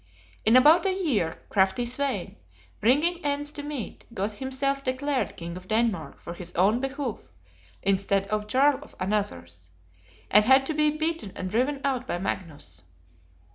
In about a year, crafty Svein, bringing ends to meet, got himself declared King of Denmark for his own behoof, instead of Jarl for another's: and had to be beaten and driven out by Magnus.